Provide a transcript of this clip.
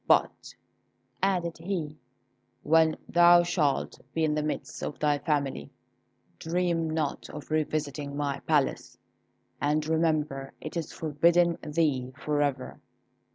But," added he, "when thou shalt be in the midst of thy family, dream not of revisiting my palace, and remember it is forbidden thee for ever.